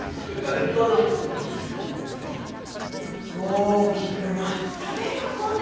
大きくなったね真琴！